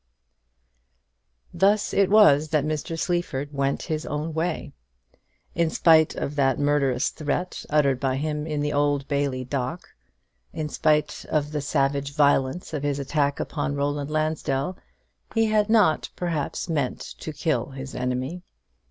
Thus it was that Mr. Sleaford went his own way. In spite of that murderous threat uttered by him in the Old Bailey dock, in spite of the savage violence of his attack upon Roland Lansdell, he had not, perhaps, meant to kill his enemy.